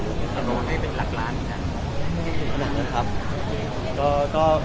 ขนาดนั้นครับ